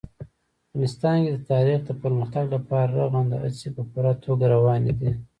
افغانستان کې د تاریخ د پرمختګ لپاره رغنده هڅې په پوره توګه روانې دي.